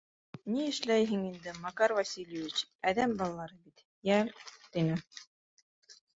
— Ни эшләйһең инде, Макар Васильевич, әҙәм балалары бит, йәл, — тине.